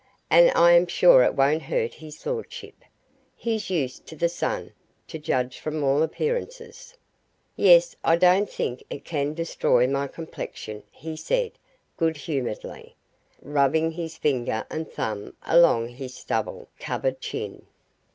"And I am sure it won't hurt his lordship. He's used to the sun, to judge from all appearances." "Yes, I don't think it can destroy my complexion," he said good humouredly, rubbing his finger and thumb along his stubble covered chin.